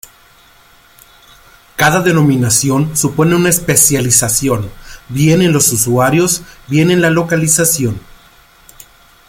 Cada denominación supone una especialización, bien en los usuarios, bien en la localización.